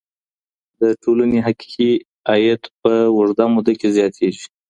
د ټولني حقيقي عايد په اوږده موده کي زياتيږي.